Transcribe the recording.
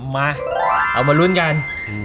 เอามารุ่นกัน